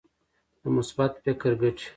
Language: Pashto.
د مثبت فکر ګټې.